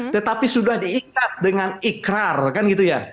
tetapi sudah diikat dengan ikrar kan gitu ya